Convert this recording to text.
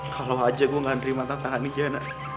kalau aja gue gak nerima tatahani giana